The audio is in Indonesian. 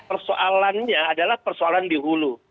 persoalannya adalah persoalan dihulu